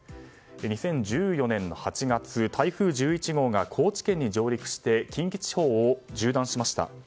２０１４年の８月、台風１１号が高知県に上陸して近畿地方を縦断しました。